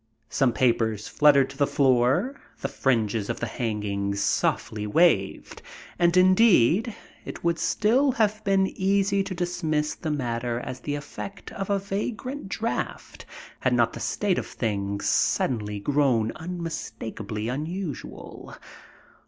Some papers fluttered to the floor, the fringes of the hangings softly waved, and, indeed, it would still have been easy to dismiss the matter as the effect of a vagrant draft had not the state of things suddenly grown unmistakably unusual.